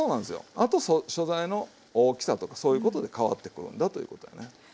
あと素材の大きさとかそういうことで変わってくるんだということやね。